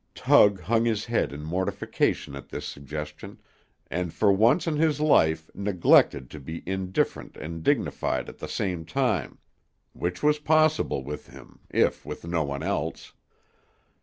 Tug hung his head in mortification at this suggestion, and for once in his life neglected to be indifferent and dignified at the same time, which was possible with him, if with no one else.